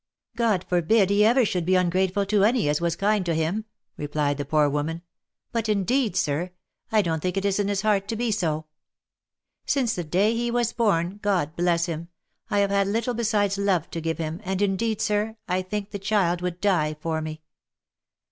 " God forbid he ever should be ungrateful to any as was kind to him !" replied the poor woman ;" but indeed, sir, I don't think it is in his heart to be so. Since the day he was born, God bless him, I.have had little besides love to give him, and indeed, sir, I think the child would die for me."